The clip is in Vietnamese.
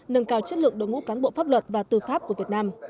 nâng cao chất lượng đội ngũ cán bộ pháp luật và tư pháp của việt nam